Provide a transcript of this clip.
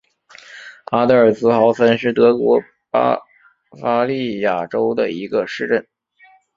阿德尔茨豪森是德国巴伐利亚州的一个市镇。